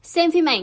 xem phim ảnh